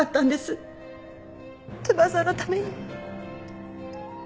翼のためにも。